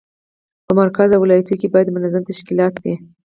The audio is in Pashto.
په مرکز او ولایاتو کې باید منظم تشکیلات وي.